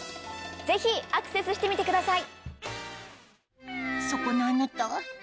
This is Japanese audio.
ぜひアクセスしてみてください！